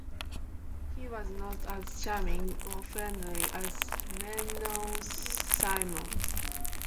He was not as charming or friendly as Menno Simons.